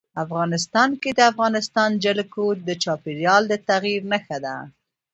افغانستان کې د افغانستان جلکو د چاپېریال د تغیر نښه ده.